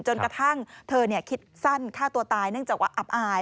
จนกระทั่งเธอคิดสั้นฆ่าตัวตายเนื่องจากว่าอับอาย